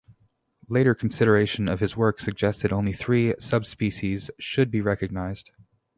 Later consideration of his work suggested only three subspecies should be recognized.